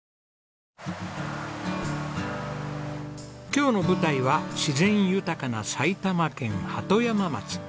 今日の舞台は自然豊かな埼玉県鳩山町。